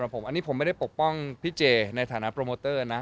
ผมไม่ปกป้องพี่เจในฐานะโปรโมเตอร์นะ